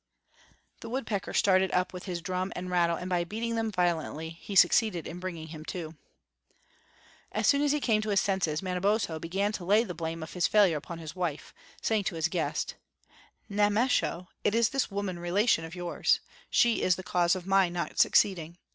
The woodpecker started up with his drum and rattle and by beating them violently be succeeded in bringing him to. As soon as he came to his senses, Manabozbo began to lay the blame of his failure upon his wife, saying to his guest: "Nemesho, it is this woman relation of yours she is the cause of my not succeeding.